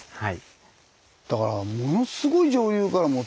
はい。